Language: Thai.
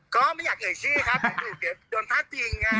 ก็ไม่อยากเหนื่อยชื่อครับโดนพลาดจริงไง